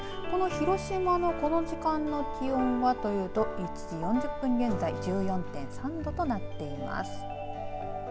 この広島のこの時間の気温はというと１時１４分現在１４．３度となっています。